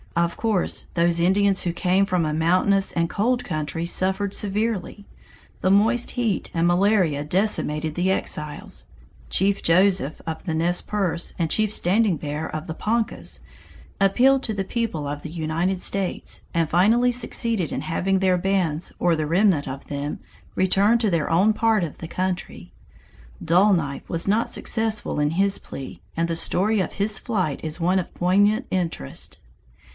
Of course those Indians who came from a mountainous and cold country suffered severely. The moist heat and malaria decimated the exiles. Chief Joseph of the Nez Perces and Chief Standing Bear of the Poncas appealed to the people of the United States, and finally succeeded in having their bands or the remnant of them returned to their own part of the country. Dull Knife was not successful in his plea, and the story of his flight is one of poignant interest.